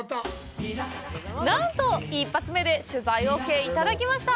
なんと一発目で取材オーケーいただきました！